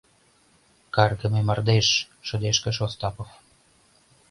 «Каргыме мардеж!» — шыдешкыш Остапов.